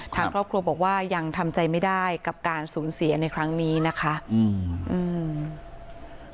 ทางครอบครัวบอกว่ายังทำใจไม่ได้กับการสูญเสียในครั้งนี้นะคะอืมอืม